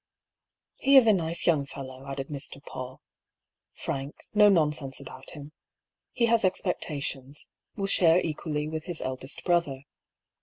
" He is a nice young fellow," added Mr. Paull. " Frank, no nonsense about him. He has expectations : will share equally with his eldest brother.